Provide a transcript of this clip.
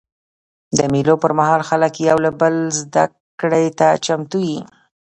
د مېلو پر مهال خلک یو له بله زدهکړې ته چمتو يي.